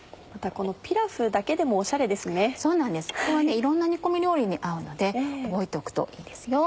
いろんな煮込み料理に合うので覚えておくといいですよ。